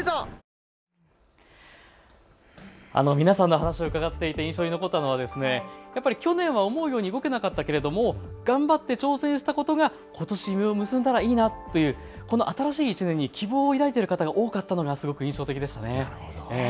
皆さんの話を伺っていて印象に残ったのは去年は思うように動けなかったけれども頑張って挑戦したことがことし実を結んだらいいなというこの新しい１年に希望を抱いている方が多かったのがすごく印象的でしたね。